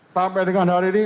sampai dengan hari ini